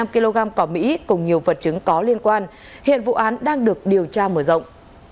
năm kg cỏ mỹ cùng nhiều vật chứng có liên quan hiện vụ án đang được điều tra mở rộng